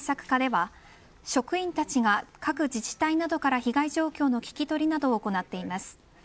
課では職員たちが各自治体などから被害状況の聞き取りなどを行っています。